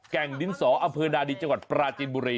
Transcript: แก่งดินสออำเภอนาดีจังหวัดปราจินบุรี